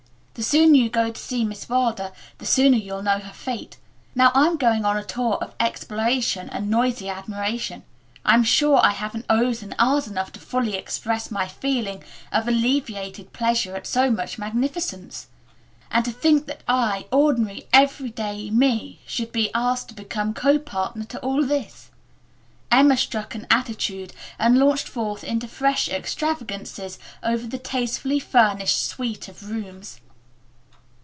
The sooner you go to see Miss Wilder the sooner you'll know her fate. Now I'm going on a tour of exploration and noisy admiration. I'm sure I haven't ohs and ahs enough to fully express my feeling of elevated pleasure at so much magnificence. And to thing that I, ordinary, every day me, should be asked to become co partner to all this." Emma struck an attitude and launched forth into fresh extravagances over the tastefully furnished suite of rooms.